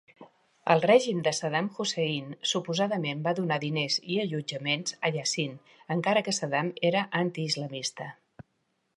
El règim de Saddam Hussein suposadament va donar diners i allotjaments a Yasin, encara que Saddam era anti-islamista.